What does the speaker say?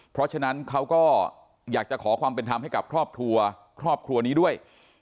เพราะฉะนั้นเขาก็อยากจะขอความเป็นธรรมให้กับครอบครัวครอบครัวนี้ด้วย